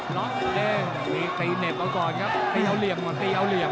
ตีเหน็บเอาก่อนครับตีเอาเหลี่ยมตีเอาเหลี่ยม